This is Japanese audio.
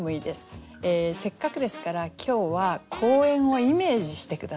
せっかくですから今日は公園をイメージして下さい。